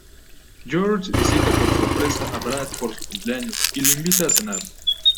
George visita por sorpresa a Brad por su cumpleaños y lo invita a cenar.